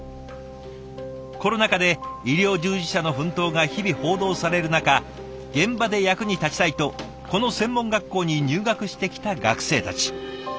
コロナ禍で医療従事者の奮闘が日々報道される中現場で役に立ちたいとこの専門学校に入学してきた学生たち。